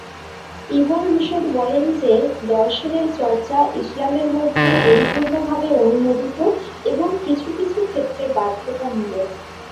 Ibn Rushd বলেন যে, দর্শনের চর্চা ইসলামের মধ্যে পরিপূর্ণভাবে অনুমোদিত এবং কিছু কিছু ক্ষেত্রে বাধ্যতামূলক।